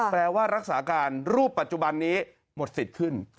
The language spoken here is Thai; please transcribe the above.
แปลว่ารักษาการรูปปัจจุบันนี้หมดสิทธิ์ขึ้น